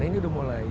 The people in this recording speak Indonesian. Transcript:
ini sudah mulai